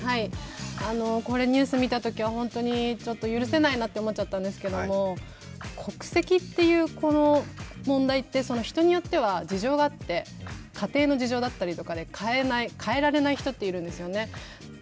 これニュース見たときは本当に許せないなと思っちゃったんですけれども、国籍っていう問題は、人によっては事情があって、家庭の事情だったりで変えない、変えられない人っているんですよね。